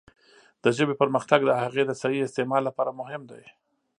د ژبې پرمختګ د هغې د صحیح استعمال لپاره مهم دی.